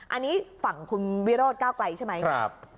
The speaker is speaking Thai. อันนี้ฝั่งคุณวิโรธก้าวไกลใช่ไหม